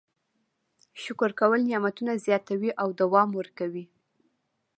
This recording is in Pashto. شکر کول نعمتونه زیاتوي او دوام ورکوي.